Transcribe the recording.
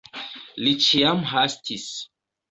Li ĉiam hastis.